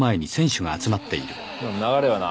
流れはな